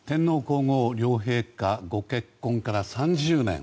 天皇・皇后両陛下ご結婚から３０年。